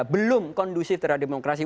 belum kondusif terhadap demokrasi